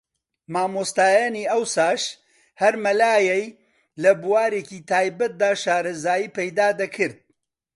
مامۆستایانی ئەوساش ھەر مەلایەی لە بوارێکی تایبەتدا شارەزایی پەیدا دەکرد